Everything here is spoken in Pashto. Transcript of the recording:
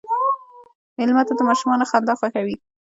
مېلمه ته د ماشومانو خندا خوښوي.